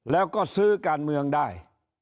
แล้วก็ซื้อการเมืองได้